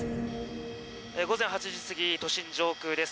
午前８時過ぎ都心上空です。